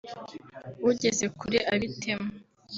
ugeze kure abitema